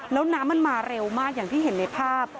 แล้วน้ำมันมาเร็วมากอย่างที่เห็นในภาพ